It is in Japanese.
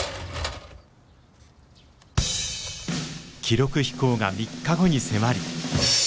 記録飛行が３日後に迫り。